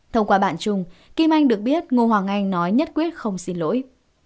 thông qua bạn chung kim anh được biết ngô hoàng anh nói nhất quyết không xin lỗi